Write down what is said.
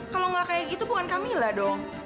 kalau gak kayak gitu bukan kamila dong